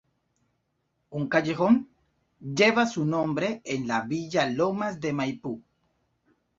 Un callejón lleva su nombre en la Villa Lomas de Maipú.